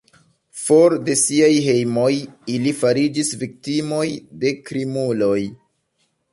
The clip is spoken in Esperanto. For de siaj hejmoj ili fariĝis viktimoj de krimuloj.